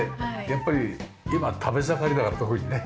やっぱり今食べ盛りだから特にね。